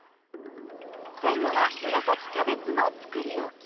最後は紫キャベツのつくりおき。